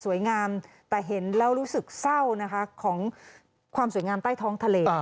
แต่เห็นแล้วรู้สึกเศร้านะคะของความสวยงามใต้ท้องทะเล